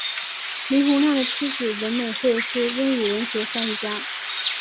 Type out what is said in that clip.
林洪亮的妻子文美惠是英语文学翻译家。